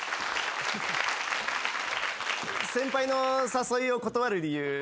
先輩の誘いを断る理由。